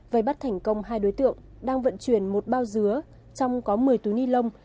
vây bắt thành công hai đối tượng đang vận chuyển một bao dứa trong có một mươi túi ni lông